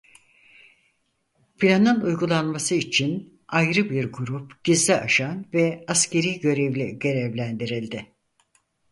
Planın uygulanması için ayrı bir grup gizli ajan ve askeri görevli görevlendirildi.